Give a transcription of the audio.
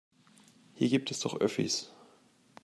Hier gibt es doch Öffis.